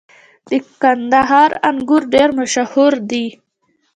• د کندهار انګور ډېر مشهور دي.